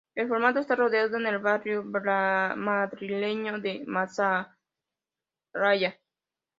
El formato está rodado en el barrio madrileño de Malasaña.